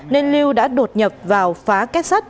nên lưu đã đột nhập vào phá kết sát